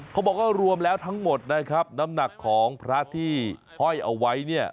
เขาบอกว่ารวมแล้วทั้งหมดนะครับน้ำหนักของพระที่ห้อยเอาไว้เนี่ย